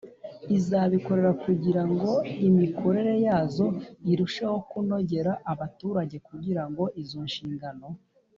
iz abikorera kugira ngo imikorere yazo irusheho kunogera abaturage Kugira ngo izo nshingano